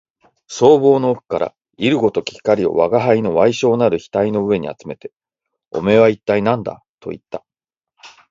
双眸の奥から射るごとき光を吾輩の矮小なる額の上にあつめて、おめえは一体何だと言った